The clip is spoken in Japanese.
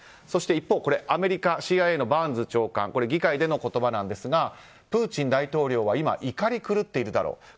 そして一方、アメリカＣＩＡのバーンズ長官議会での言葉ですがプーチン大統領は今怒り狂っているだろう。